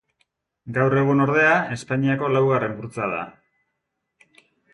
Gaur egun ordea, Espainiako laugarren burtsa da.